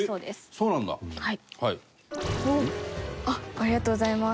ありがとうございます。